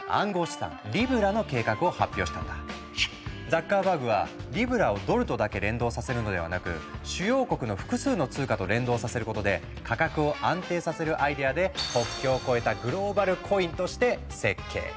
ザッカーバーグはリブラをドルとだけ連動させるのではなく主要国の複数の通貨と連動させることで価格を安定させるアイデアで国境を越えた「グローバルコイン」として設計。